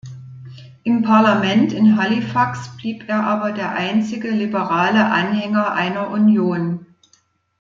Im Parlament in Halifax blieb er aber der einzige liberale Anhänger einer Union.